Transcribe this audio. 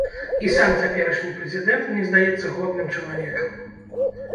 І сам цяперашні прэзідэнт мне здаецца годным чалавекам.